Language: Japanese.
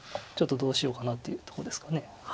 ちょっとどうしようかなというとこですか。